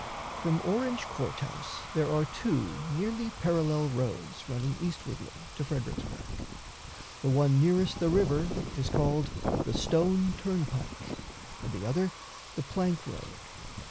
From Orange Court House there are two nearly parallel roads running eastwardly to Fredericksburg. The one nearest the river is called the "Stone Turnpike," and the other the "Plank road."